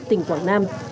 tỉnh quảng nam